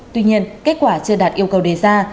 tuy nhiên kết quả chưa đạt yêu cầu đề ra